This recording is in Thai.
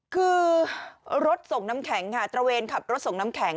คือรถส่งน้ำแข็งค่ะตระเวนขับรถส่งน้ำแข็ง